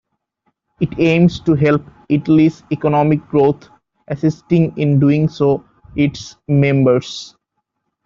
It aims to help Italy's economic growth, assisting, in doing so, its members.